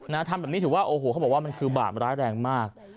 ทำแบบนี้ถือว่าโอ้โหเขาบอกว่ามันคือบาปร้ายแรงมาก